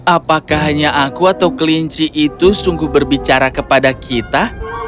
apakah hanya aku atau kelinci itu sungguh berbicara kepada kita